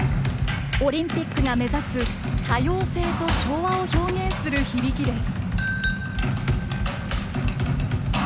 オリンピックが目指す「多様性と調和」を表現する響きです。